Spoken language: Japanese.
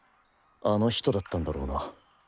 あの人だったんだろうな。